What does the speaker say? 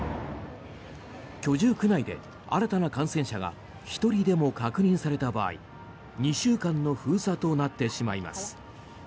居住区内で新たな感染者が１人でも確認された場合２週間の封鎖となってしまいます。